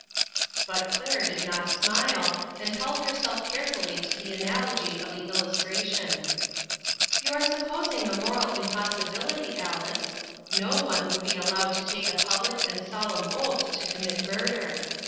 But Claire did not smile, and held herself carefully to the analogy of the illustration :" You are supposing a moral impossibility, Alice. No one would be allowed to take a public and solemn oath to commit murder.